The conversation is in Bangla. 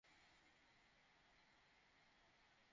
সর্বোপরি, মেষশাবকের মধ্যে এখনও একজন জমিদারের রক্ত ছিল।